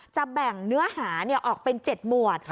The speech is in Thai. จะแบ่งเนื้อหาออกเป็น๗หมวด